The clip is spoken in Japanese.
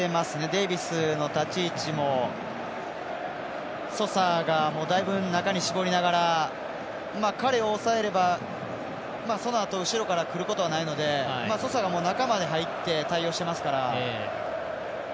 デイビスの立ち位置もソサが、だいぶ中に絞りながら彼を抑えれば、そのあと後ろからくることはないのでソサが中まで入って対応してますから。